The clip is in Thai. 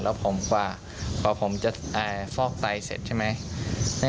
แล้วผมกว่าผมจะฟอกไตเสร็จใช่ไหม